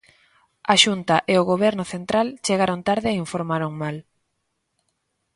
A Xunta e o Goberno central chegaron tarde e informaron mal.